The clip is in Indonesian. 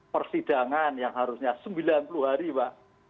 persidangan yang harusnya sembilan puluh hari pak